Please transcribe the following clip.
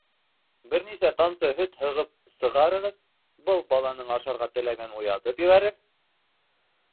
Бер нисә тамсы һөт һығып сығарығыҙ, был баланың ашарға теләген уятып ебәрер.